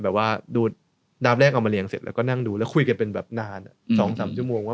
แบบว่าดูดาวด์แดดเอามาเลียงเสร็จแล้วแล้วก็นั่งดูน่ะ